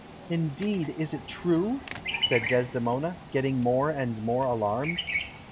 "Indeed! Is it true?" said Desdemona, getting more and more alarmed.